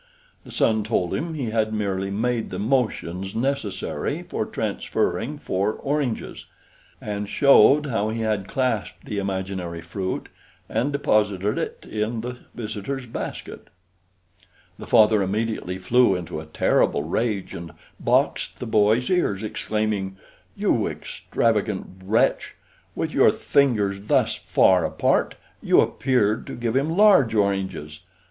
The son told him he had merely made the motions necessary for transferring four oranges, and showed how he had clasped the imaginary fruit and deposited it in the visitor's basket. The father immediately flew into a terrible rage and boxed the boy's ears, exclaiming: "You extravagant wretch! With your fingers thus far apart you appeared to give him large oranges.